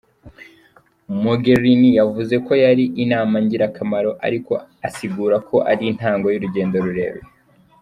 Mogherini yavuze ko yari "inama ngirakamaro" ariko asigura ko ari intango y'urugendo rurerure.